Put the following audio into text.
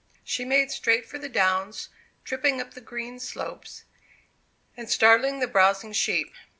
] She made straight for the downs, tripping up the green slopes, and startling the browsing sheep.